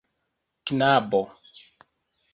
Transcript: knabo